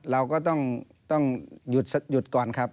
เราก็ต้องหยุดก่อนครับ